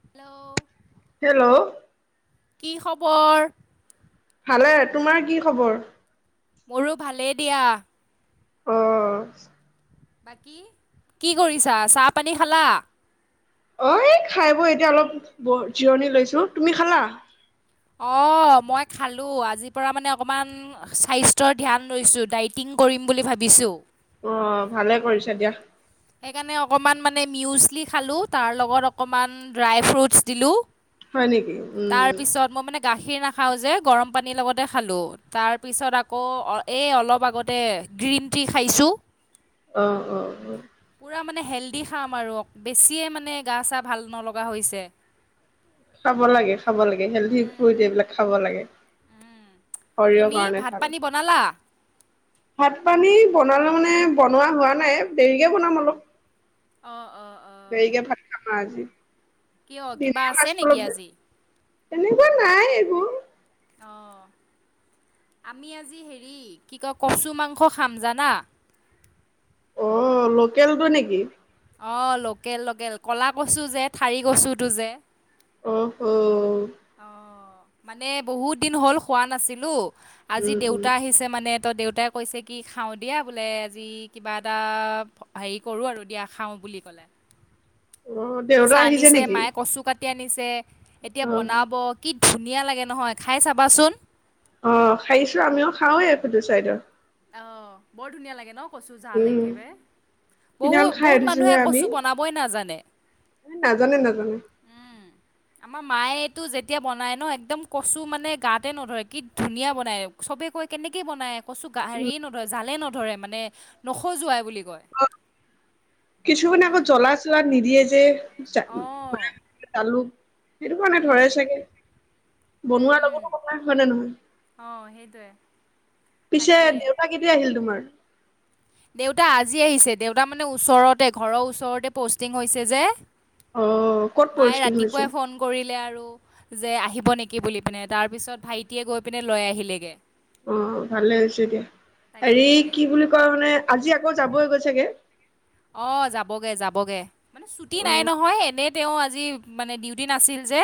Hello hello. কি খবৰ? ভালে। তোমাৰ কি খবৰ? মোৰো ভালেই দিয়া। অ'। বাকী কি কৰিছা? চাহ পানী খালা? অ, এই খাই বৈ এতিয়া অলপ ব জিৰণি লৈছো, তুমি খালা? অ, মই খালো। আজিৰ পৰা মানে অকমান স্বাস্থ্যৰ ধ্যান লৈছো, দাইটিং কৰিম বুলি ভাবিছো। অ', ভালে কৰিছা দিয়া। সেইকাৰণে অকমান মানে মিউজলি খালো তাৰ লগত অকমান ড্ৰাই ফ্ৰুটছ দিলো হয় নেকি তাৰ উম পিছত মই মানে গাখীৰ নাখ খাওঁ যে গৰম পানীৰ লগতে খালো। তাৰপিছত আকৌ অ এই অলপ আগতে গ্ৰীণ টি খাইছোঁ। অ অ অ। পোৰা মানে হেল্ডি খাম আৰু বেছিয়ে মানে গা চা ভাল নলগা হৈছে। খাব লাগে খাব লাগে হেল্ডি ফ্ৰুত এইবিলাক খাব লাগে। শৰীৰৰ তুমি কাৰণে ভাত ভাল। পানী বনালা? ভাত পানী বনালো মানে বনোৱা হোৱা নাই দেৰিকে বনাম অলপ। অঁ অঁ অঁ দেৰিকে ভাত খাম আ আজি। কিয় কিবা আছে নেকি আজি? তেনেকুৱা নাই একো। অহ। আমি আজি হেৰি কি কয় কচু মাংস খাম, জানা? অ' লোকেলটো নেকি? অ' লোকেল লোকেল ক'লা কচু যে ঠাৰি কচুটো যে অ'হ অ'। অ মানে বহুত দিন হ'ল খোৱা নাছিলো, আজি উম উম দেউতা আহিছে মানে ত দেউতাই কৈছে কি খাওঁ দিয়া বোলে আজি কিবা এটা হেৰি কৰোঁ আৰু দিয়া খাওঁ বুলি ক'লে। অ', দেউতা চা আহিছে আনিছে নেকি? মায়ে কচু কাট টি আনিছে এতিয়া অ', বনাব কি ধুনীয়া লাগে নহয় খাই চাবাচোন। অ', খাইছো আমিও খাওঁৱে [inaudible] চাইডৰ। অ', বৰ ধুনীয়া লাগে ন কচো জাল উম, একেবাৰে। বহ সিদিনাখন খাই বহুত মানুহে কচু বনাবই নাজানে। নাজানে-নাজানে। আমাৰ মায়েটো যেতিয়া বনায় ন একদম কচু মানে গাতে নধৰে কি ধুনীয়া বনায় চবে কৈয় কেনেকে বনাই কচোন। উম, হেৰি নধৰে, জালে নধৰে মানে নখজোৱাই বুলি কয়। কিছুমান আকৌ উম, জ্বলা চলা নিদিয়ে যে অঁ জালুক সেইটো কাৰণে ধৰেই চাগে। উম বনোৱাৰ উম লগতো কথা হয় নে নহয়? অঁ সেইটোৱে পিছে তাকে দেউতা কেতিয়া আহিল তোমাৰ? দেউতা আজি আহিছে। দেউতা মানে ওচৰতে, ঘৰৰ ওচৰতে পষ্টিং হৈছে যে অ', ক'ত মায়ে পষ্টিং হৈছে? ৰাতিপুৱাই ফোন কৰিলে আৰু। যে আহিব নেকি বুলি পিনে, তাৰ পিছত ভাইটিয়ে গৈ পিনে লৈ আহিলেগে। অ' ভালে হৈছে দিয়া। হেৰি তাকে কি বুলি কয় মানে আজি আকৌ যাব হৈ গৈছোগে। অ' যাবগে, যাবগে মানে ছুটি নাই অ', নহয়। এনে তেওঁ আজি মানে ডিউটি নাছিল যে।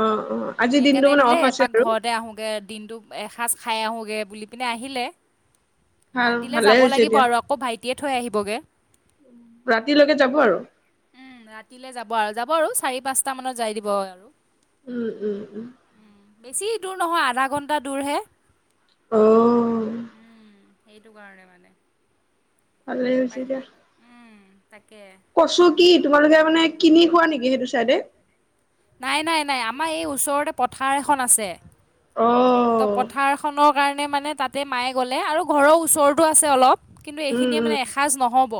অ', অ', আজিৰ দিনটো সেইকাৰণে মানে বোলে অফ আছে এপাক আৰু ঘৰতে আহোগে দিনটো এসাঁজ খাই আহোঁগৈ বুলি পিনে আহিলে। ভাল ৰাতিলৈ ভালে যাব হৈছে লাগিব দিয়া। আৰু আকৌ ভাইটিয়ে থৈ আহিবগে। ৰাতিলৈকে যাব আৰু উম, ৰাতিলে যাব আৰু যাব আৰু চাৰি, পাঁচটা মানত যাই দিব আৰু উম, উম, উম। বেছি দূৰ নহয়, আধা ঘণ্টা দূৰহে। অহ'। উম, সেইটো কাৰণে মানে। ভালে বাইক উম। তাকে কছু কি তোমালোকে মানে কিনি খোৱা নেকি সেইটো চাইডে? নাই, নাই, নাই আমাৰ এই ওচৰতে পথাৰ এখন আছে। অ তো পথাৰখনৰ কাৰণে মানে মানে তাতে মায়ে গ'লে আৰু ঘৰৰ ওচৰতো আছে অলপ। কিন্তু উম এইখিনিয়ে উম মানে এসাঁজ নহ'ব।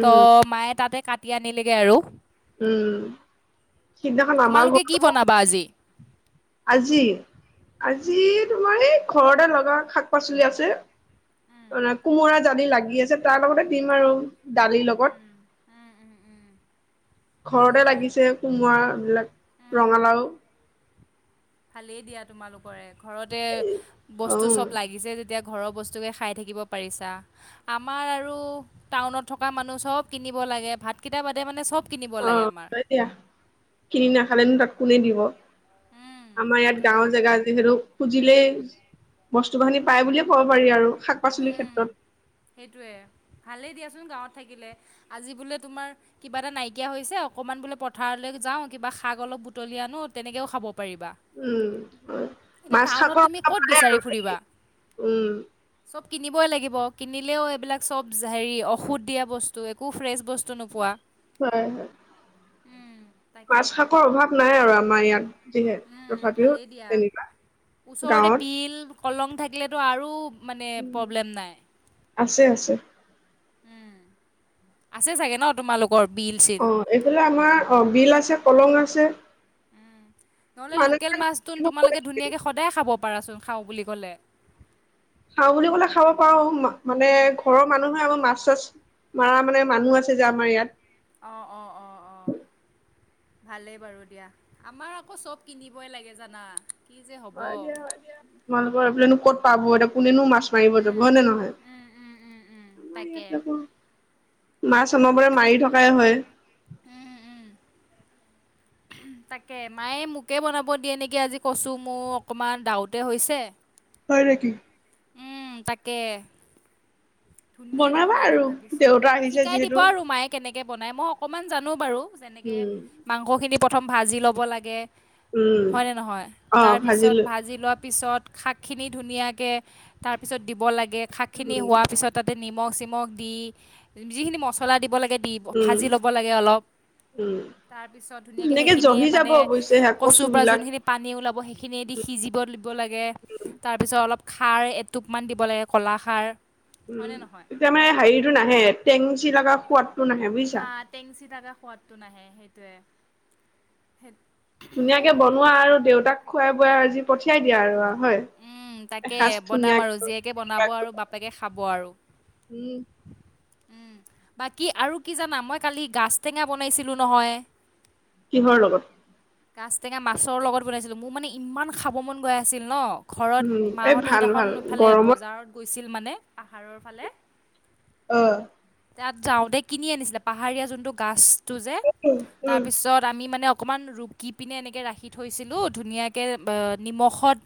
ত' মায়ে তাতে কাটি আনিলেগে আৰু। উম'। সিদিনাখন আমাৰ তোমালোকে কি ঘৰত, বনাবা আজি আজি, আজি তোমাৰ এই, ঘৰতে লগা শাক-পাচলি আছে কোমোৰা জালি লাগি আছে তাৰ লগতে দিম আৰু দালিৰ লগত। উম। ভাল ঘৰতে ভাল লাগিছে কোমৰা এই বিলাক, ৰঙালাও। দিয়া তোমালোকৰে ঘৰতে অ বস্তু চব লাগিছে যেতিয়া ব খ [inaudible] লাগে ভাতকেইটা বাদে মানে চব কিনিব লাগে আমাৰ অ' দিয়া কিনি নাখালেনো তাক কোনে দিব। উম আমাৰ ইয়াত সেইটোৱে গাওৰ জেগা যিহেতু। দিলেই বস্তু বাহিনি পাই বুলিয়ে ক'ব পাৰি আৰু শাক-পাচলিৰ ক্ষেত্ৰত সেইটোৱে ভালেই দিয়াচোন গাঁৱত থাকিলে, আজি বোলে তুমাৰ কিবা এটা নাইকিয়া হৈছে, অকনমান বোলে পথাৰলৈ যাওঁ কিবা বি শাক অলপ বুটলি আনো তেনেকেও খাব পাৰিবা উম এতিয়া মাছ টাউনত থাকৰ তুমি কথা ক'ত ভালে বিচাৰি ফুৰিবা আৰু। উম' চব কিনিবই লাগিব। কিনিলেও, এইবিলাক চব হেৰি ঔষধ দিয়া বস্তু একো ফ্ৰেছ বস্তু নোপোৱা। হয়, হয় তাকে মাছ, শাকৰ অভাৱ নাই আৰু আমাৰ ইয়াত। যিহে উম তথাপিও ভালেই দিয়া তেনেকুৱা ওচৰতে গাঁৱত। বিল কলং থাকিলেতো আৰু মানে উম। প্ৰব্লেম নাই। আছে আছে উম' আছে চাগে ন তোমালোক অ' এইফালে আমাৰ অ' বিল আছে, কলং আছে। নহলে মানুহ লোকেল মাছটো তোমালোকে ধুনীয়াকে সদায় খাব পাৰাচোন। খাওঁ বুলি ক'লে। খাওঁ বুলি ক'লে খাব পাৰো মানে ঘৰৰ মানুহে আমাৰ মাছ চাছ মৰা মানে মানুহ আছে যে আমাৰ ইয়াত। অ', অ', অ', অ। ভালেই বাৰু দিয়া, আমাৰ আকৌ চব কিনিবই লাগে জানা। কি যে হ'ব হয়, এ দিয়া। তোমালোকৰ এইফালেনো ক'ত পাব এতিয়া কোনেনো মাছ মাছ মাৰিব যাব উম হয় নে নহয়? উম উম উম উম আমাৰ তাকে ইয়াত আকৌ, মাছ সেইটোৱে অনবৰটে মাৰি থকাই হয়। উম উম [inaudible] তাকে, মায়ে মোকে বনাব দিয়ে নেকি আজি কছো মোৰ অকমান দাউতে হৈছে। হয় নেকি। তাকে। ধুনীয়াকে বনাবা বনাই দিম আৰু ভাবিছো। দেউতা আহিছে শিকাই দিব যিহেতু। আৰু মায়ে কেনেকে বনাই, মই অকনমান জানো বাৰু। এনেকৈ উম, মাংসখিনি প্ৰথম ভাজি ল'ব লাগে। উম, হয় নে নহয়? তাৰ অ' পিছত ভাজিলো। ভাজি লোৱা। তাৰ পিছত শাকখিনি ধুনীয়াকৈ তাৰপিছত দিব লাগে, শাকখিনি উম, হোৱাৰ পিছত তাতে নিমখ চিমখ দি, যিখিনি মছলা দিব লাগে, দি উম, ভাজি ল'ব লাগে অলপ। উম, তাৰ পিছত ধুনীয়াকে সেইখিনিয়ে জহি যাব মানে অৱশ্যে সেয়া কচু কচুৰ পৰা বিলাক। যোনখিনি পানী ওলাব সেইখিনিয়ে দি সিঁজি। জীব দিব লাগে। তাৰপিছত অলপ খাৰ এটোপমান দিব লাগে, ক'লা খাৰ। উম, হয়নে নহয় এতিয়া মানে হেৰিতটো নাহে, টেঙচি লগা খোৱাত হা, টেংচি থাকা সোৱাদটো নাহে সেইটোয়ে। সেই ধুনীয়াকে অ' বনোৱা আৰু দেউতাক খুৱাই বোৱাই আজি পঠিয়াই দিয়া আৰু, হয়। উম, তাকে এসাঁজ বনাম আৰু, ধুনীয়াকৈ জীয়েকে বনাব আৰু বাপেকে খাব আৰু। উম, উম, বাকী আৰু কি জানা মই কালি গাজ টেঙা বনাইছিলোঁ নহয়। কিহৰ লগত? গাছ টেঙা মাছৰ লগত বনাইছিলো, মোৰ মানে ইমান খাব মন গৈ আছিল ন ঘৰত উম, এ ভাল ভাল গৰমত আছিল মানে পাহাৰৰ ফালে। আহ, তাত যাওঁতে কিনি আনিছিলে পাহাৰীয়া যোনটো গছটো যে, উম, তাৰপিছত আমি মানে অকমান ৰুকি পিনে ৰাখিছিলোঁ থৈছিলোঁ ধুনীয়াকে ব নিমখত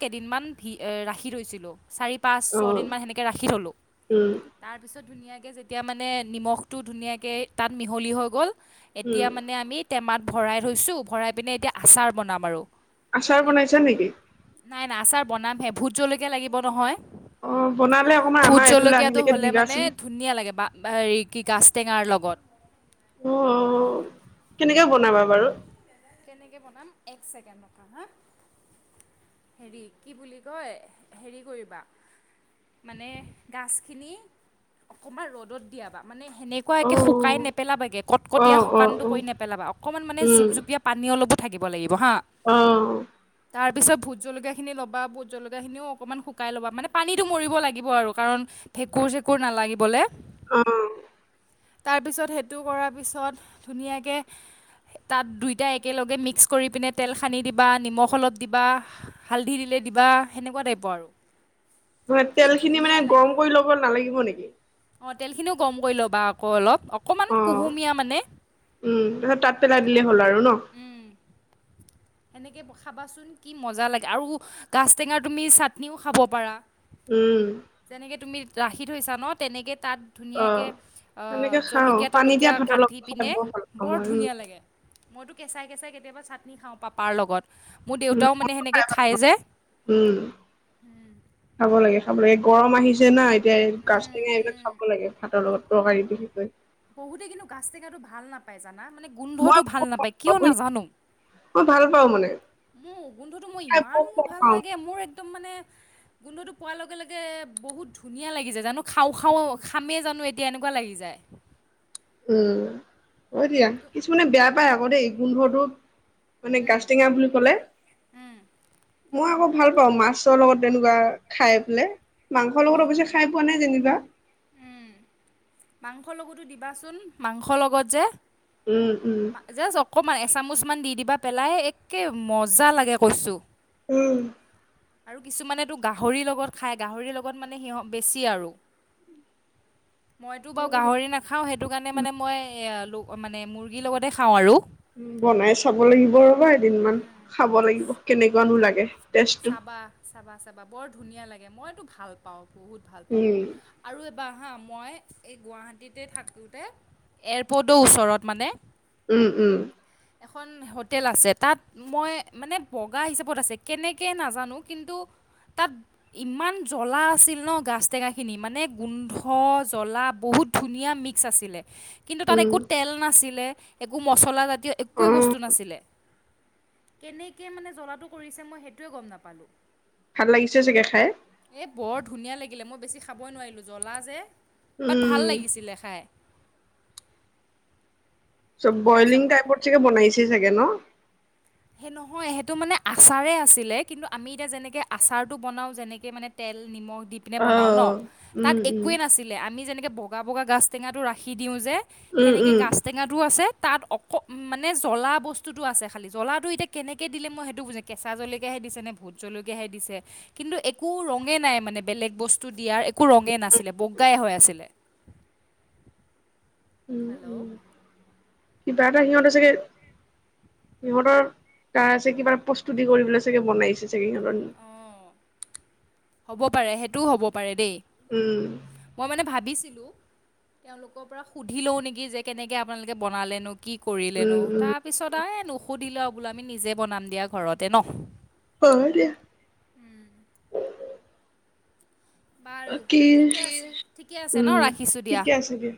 কেইদিন মান ভি ৰাখি থৈছিলো চাৰি পাঁচ, অ, ছয়দিনমান এনেকে ৰাখি থলো, উম, তাৰ পিছত ধুনীয়াকৈ এতিয়া মানে নিমখটো ধুনীয়াকৈ তাত মিহলি হৈ গ'ল। এতিয়া উম। মানে আমি টেমাত ভৰাই থৈছো, ভৰাই পিনে এতিয়া আচাৰ বনাম আৰু। তো আচাৰ এনেকৈতো বনাইছা নেকি? নাই নাই আচাৰ বনামহে, ভোত জলৈকীয়া লাগিব নহয়। অ', বনালে অকমান ভোট আমাৰ এইফালে জলকীয়াটো আহিলেকে হ'লে মানে দিবাচোন। ধুনীয়া লাগে। হেৰি, কি গাছ টেঙাৰ লগত। অ', অ', কেনেকে বনাবা বাৰু? কোনেকে বনাম এক ছেকেণ্ড, ৰবা হা। হেৰি কি বুলি কয়, হেৰি কৰিবা মানে গাছ খিনি অকমান ৰ'দত দিয়াবা মানে সেনেকুৱাকে শুকাই অ', নেপেলাবাগে, কটকটীয়া অ', অ', শুকানটো অ', কৰি নেপেলাবা অকনমান মানে উম, জুপ জুপিয়া অলপও থাকিব লাগিব হা, অ', তাৰ তাৰপিছত ভোট জলকীয়া খিনি ল'বা ভোট জলকীয়াখিনিও অকণমান শুকাই ল'বা, মানে পানীটো মব লাগিব আৰু কাৰণ ভেঁকুৰ চেঁকুৰ নালাগিবলৈ। অ'। তাৰপিছত সেইটো কৰাৰ পিছত ধুনীয়াকে তাত দুই তেতিয়া একেলগে মিক্স কৰি পিনে তেল সানি দিবা নিমখ অলপ দিবা, হালধি দিলে দিবা, এনেকুৱা হ'ব আৰু। ম কি তেল খিনি মানে ধুনীয়া গৰম কৰি ল'ব নালাগিব নেকি? অ তেলখিনিও গম কৰি ল'বা আকৌ অলপ অকণমান অ', কুহুমীয়া মানে। দিলে হ'ল আৰু ন। এনেকে খাবাচোন কি মজা লাগে আৰু কাচ টেঙা তুমি চাটনিও খাব পাৰা। উম। যেনেকে তুমি ৰাখি থৈছা ন, তেনেকে তাত ধুনীয়াকে অ'। অ' সেনেকে খাওঁ, জলকীয়া পানী দিয়া তলকীয়া ভাতৰ কাট চাটি লগত খাই পিনে বৰ ভাল পাওঁ বৰ মই, উম, ধুনীয়া লাগে মইতো কেচাই - কেচাই কেতিয়াবা চাটনি খাও পাপাৰ লগত। মোৰ উম, দেউতাও মানে মইও সেনেকে খাই ভাল খায় পাওঁ, যে। উম। খাব লাগে খাব লাগে গৰম আহিছে না এতিয়া এই গাজ টেঙা এইবিলাক খাব লাগে ভাতৰ লগত তৰকাৰি বিশেষকৈ বহুতে কিন্তু গাজ টেঙাতটো ভাল নাপায় জানো। নাই মানে মই গোন্ধটো ভাল নাপায় কিয় নাজানো। মই ভাল পাওঁ মানে মোৰ গোন্ধুটো মোৰ খাই ইমান বহুত মোৰ ভাল পাওঁ লাগে মোৰ একদম মানে গোন্ধটো পোৱাৰ লগে - লগে বহুত ধুনীয়া লাগি যায় জানো খাও - খাও খামেই জানো এতিয়া এনেকুৱা লাগি যায়। [inaudible] উ অ' দিয়া তো কিছুমানে বেয়া পাই আকৌ দেই গোন্ধটো মানে কা টেঙা বুলি কলে মই আকৌ। ভাল পাওঁ মাছৰ লগত তেনেকুৱা খাই পেলাই, মাংসৰ লগত অৱশ্যে খাই পোৱা নাই যেনি [unintelligible] মাংসৰ লগতো দিবাচোন মাংসৰ লগত যে উম - উম। মান এচামোচ মান দি দিবা পেলাই একে মজা লাগে কৈছোঁ। উম আৰু কিছুমানেতো গাহৰিৰ লগত খাই গাহৰিৰ লগত মানে সিহ বেছি আৰু [inaudible] মইতো বাৰু গাহৰি নাখাও সেইটো কাৰণে মানে মই ল মানে মুৰ্গীৰ লগতে খাও আৰু। উম, বনাই চাব লাগিব ৰ'বা এদিন মমান খাব লাগিব কেনেকুৱানো লাগে। টেষ্টটো চাবা- চাবা- চাবা বৰ ধুনীয়া লাগে মইতো ভাল পাও। বহুত ভাল পাও উম আৰু এবাৰ হা মই এই গুৱাহাটীতে থাকোতে এয়াৰপৰ্টৰ ওচৰত মানে উম - উম। এখন হোটেল আছে, তাত মই মানে বগা হিচাপত আছে কেনে কে নাজানো কিন্তু তাত ইমান জ্বলা আছিল ন গাছ টেঙা খিনি মানে গোন্ধ জ্বলা বহুত। ধুনীয়া মিক্স আছিলে। কিন্তু তাত একো উম তেল নাছিলে একো মচলাজাতীয় একোৱেই অ বস্তু নাছিলে। কেনেকে মানে জ্বলাটো কৰিছে মই সেইটোৱে গম নাপালো। ভাল লাগিছে চাগে খাই? বৰ ধুনীয়া মই বেছি খাবই নোৱাৰিলো জলা যে ব ভাল উম লাগিছিল খাই। চব খাই বইলিং চাবা টাইপৰ চে বনাইছে চাগে ন। সেই নহয় সেইটো মানে আচাৰে আছিলে কিন্তু আমি এতিয়া যেনেকে আচাৰটো বনাও যেনেকে মানে তেল নিমখ দি পিনে অ বনাওঁ ন' তাত উম উম একোৱেই নাছিলে, আমি যেনেকৈ বগা, বগা গাজ টেঙাটো ৰাখি দিওঁ যে উম সেনেকে উম গাছ টেঙাটোয়ো আছে, তাত অকমানে জ্বলা বস্তুতো আছে খালি জ্বলাটো এতিয়া কেনেকে দিলে মই সেইটো বুজোঁ কেঁচা জলকীয়াহে দিছেনে, ভূত জলকীয়াহে দিছে কিন্তু একো ৰঙে নাই মানে বেলেগ বস্তু দিয়াৰ একো ৰঙে নাছিলে, বগাই হৈ আছিলে। হেল্ল', কি এটা হিহতে চাগে সিহতৰ তাৰছে কিবা প্ৰস্তুতি কৰিবলৈ চাগে বনাইছে চাগে সিহতৰ অঁ হ'ব পাৰে সেইটোও হ'ব পাৰে দেই উম মই মানে ভাবিছিলো। তেওলোকৰ পৰা সুধি লও নেকি যে কেনেকৈ আপোনালোকে বনালেনো। কি কৰিলেনো উম উম তাৰ পিছত আ নুসুধিলো বোলো আমি নিজে বনাম দিয়া ঘৰতে ন। হয় দিয়া। বাৰু বাকী ঠিকে, ঠিকে আছে উম ন' ৰাখিছোঁ দিয়া। ঠিকে আছে দিয়া